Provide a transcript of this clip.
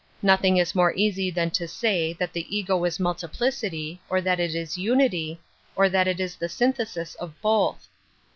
Nothing is mure easy than to aay that the ego is multi Metaphysics 37 Iplieity, or that it is unity, or that it is tlie byntheslB of both.